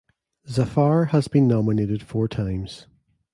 Zafar has been nominated four times.